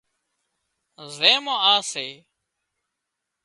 زين مان آ سي سي